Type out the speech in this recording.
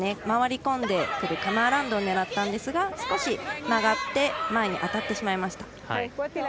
回り込んでくるカムアラウンドを狙ったんですが少し曲がって前に当たってしまいました。